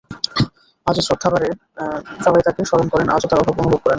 আজও শ্রদ্ধাভরে সবাই তাঁকে স্মরণ করেন, আজও তাঁর অভাব অনুভব করেন।